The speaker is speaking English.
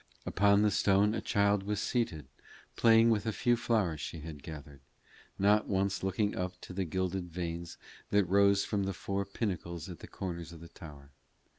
Upon the stone a child was seated playing with a few flowers she had gathered, not once looking up to the gilded vanes that rose from the four pinnacles at the corners of the tower.